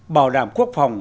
bảo đảm quốc phòng